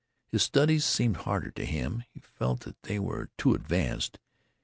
His studies seemed harder to him he felt that they were too advanced.